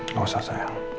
nggak usah sayang